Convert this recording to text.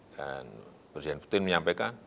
dan presiden putin menyampaikan